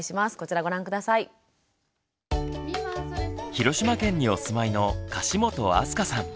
広島県にお住まいの樫本明日香さん。